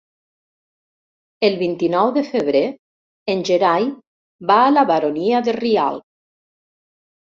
El vint-i-nou de febrer en Gerai va a la Baronia de Rialb.